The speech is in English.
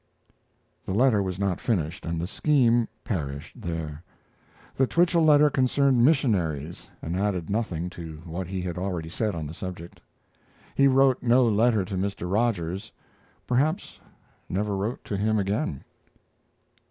The letter was not finished, and the scheme perished there. The Twichell letter concerned missionaries, and added nothing to what he had already said on the subject. He wrote no letter to Mr. Rogers perhaps never wrote to him again.